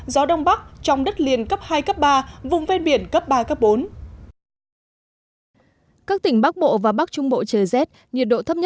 gió đông bắc trong đất liền cấp hai ba vùng ven biển cấp ba bốn